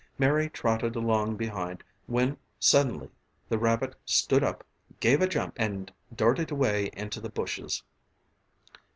Mary trotted along behind when suddenly the rabbit stood up, gave a jump and darted away into the bushes.